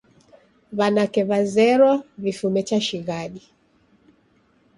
W'anake w'azerwa w'ifume cha shighadi